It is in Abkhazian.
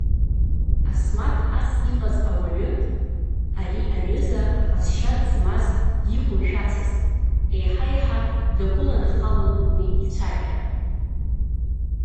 Асмаҭ ас иҟаз ауаҩы, ари аҩыза аҟазшьа змаз диқәымшәацызт, еиҳа-еиҳа дагәыланахалон уи ицәажәара.